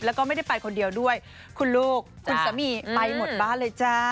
แล้วก็ไม่ได้ไปคนเดียวด้วยคุณลูกคุณสามีไปหมดบ้านเลยจ้า